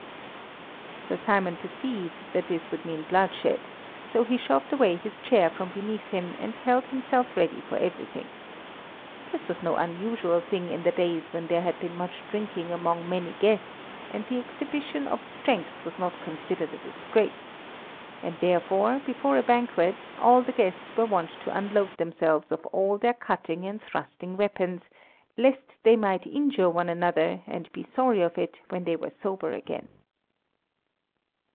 Sir Simon perceived that this would mean bloodshed, so he shoved away his chair from beneath him and held himself ready for everything. This was no unusual thing in the days when there had been much drinking among many guests and the exhibition of strength was not considered a disgrace, and therefore, before a banquet, all the guests were wont to unload themselves of all their cutting and thrusting weapons, lest they might injure one another and be sorry of it when they were sober again.